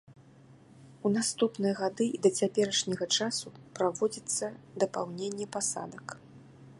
У наступныя гады і да цяперашняга часу праводзіцца дапаўненне пасадак.